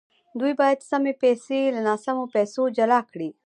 دوی باید سمې پیسې له ناسمو پیسو جلا کړي